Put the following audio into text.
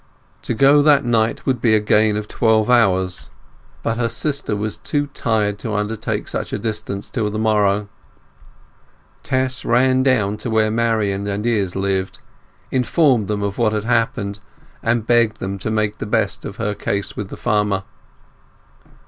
To go that night would be a gain of twelve hours; but her sister was too tired to undertake such a distance till the morrow. Tess ran down to where Marian and Izz lived, informed them of what had happened, and begged them to make the best of her case to the farmer.